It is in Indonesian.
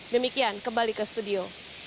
demikian kembali ke studio